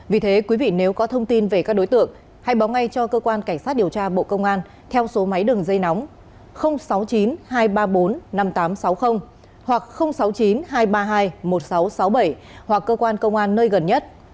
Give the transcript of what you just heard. vì thế quý vị nếu có thông tin về các đối tượng hãy báo ngay cho cơ quan cảnh sát điều tra bộ công an theo số máy đường dây nóng sáu mươi chín hai trăm ba mươi bốn năm nghìn tám trăm sáu mươi hoặc sáu mươi chín hai trăm ba mươi hai một nghìn sáu trăm sáu mươi bảy hoặc cơ quan công an nơi gần nhất